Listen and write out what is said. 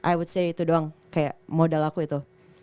i wood say itu doang kayak modal aku itu